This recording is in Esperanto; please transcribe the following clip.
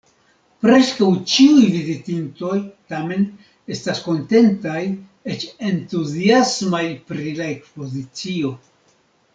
Preskaŭ ĉiuj vizitintoj, tamen, estas kontentaj, eĉ entuziasmaj pri la ekspozicio.